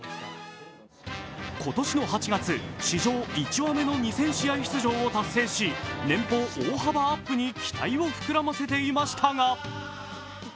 今年の８月、史上１羽目の２０００試合出場を達成し、年俸大幅アップに期待を膨らませていましたが。